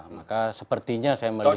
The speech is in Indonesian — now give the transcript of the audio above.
maka sepertinya saya melihat